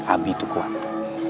abi itu kuat